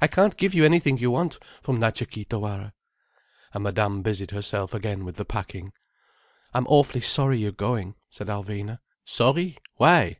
I can't give you anything you want from Natcha Kee Tawara." And Madame busied herself again with the packing. "I'm awfully sorry you are going," said Alvina. "Sorry? Why?